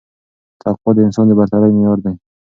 تقوا د انسان د برترۍ معیار دی